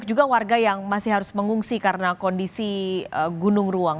dan juga warga yang masih harus mengungsi karena kondisi gunung ruang